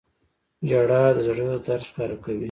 • ژړا د زړه درد ښکاره کوي.